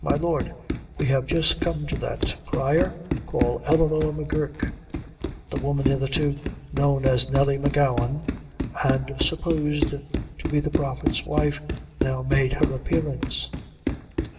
"My lord, we have just come to that. Crier, call Eleanor M'Guirk." The woman hitherto known as Nelly M'Gowan, and supposed to be the Prophet's wife now made her appearance.